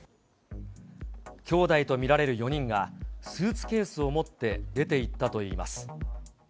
きょうだいと見られる４人が、スーツケースを持って出ていったといいます。